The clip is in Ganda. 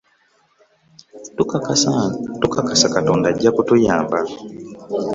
Tukakasa katonda ajja kutuyamba.